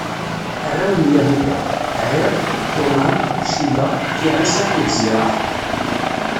Arraw n Yahuda: Ɛir, Unan, Cila, Firiṣ akked Ziraḥ.